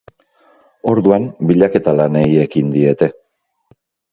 Orduan, bilaketa lanei ekin diete.